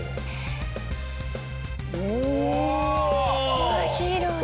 うわヒーローだ。